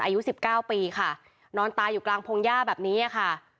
อายุสิบเก้าปีค่ะนอนตายอยู่กลางพงหญ้าแบบนี้ค่ะ